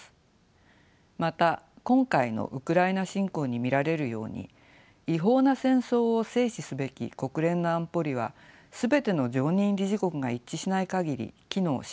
また今回のウクライナ侵攻に見られるように違法な戦争を制止すべき国連の安保理は全ての常任理事国が一致しない限り機能しません。